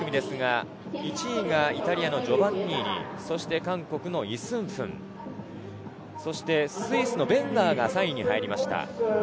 第２組ですが１位がイタリアのジョバンニーニ、そして韓国のイ・スン・フン、そしてスイスのベンガーが３位に入りました。